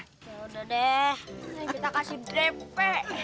nih kita kasih dp